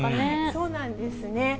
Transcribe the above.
そうなんですね。